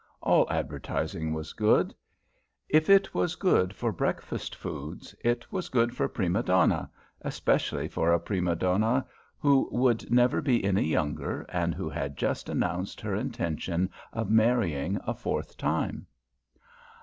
All advertising was good. If it was good for breakfast foods, it was good for prime donna, especially for a prima donna who would never be any younger and who had just announced her intention of marrying a fourth time.